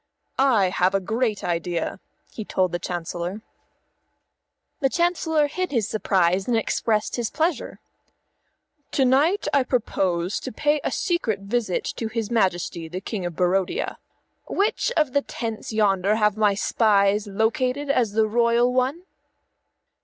"I have a great idea," he told the Chancellor. The Chancellor hid his surprise and expressed his pleasure. "To night I propose to pay a secret visit to his Majesty the King of Barodia. Which of the many tents yonder have my spies located as the royal one?"